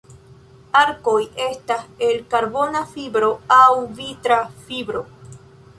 Arkoj estas el karbona fibro aŭ vitra fibro.